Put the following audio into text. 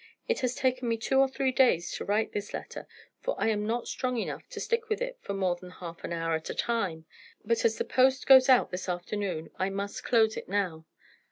It has taken me two or three days to write this letter, for I am not strong enough to stick to it for more than half an hour at a time; but as the post goes out this afternoon I must close it now.